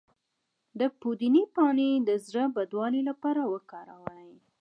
د پودینې پاڼې د زړه بدوالي لپاره وکاروئ